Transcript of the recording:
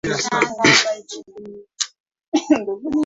mtoto akigundulika kuwa na malaria anatakiwa kuwahishwa hospitali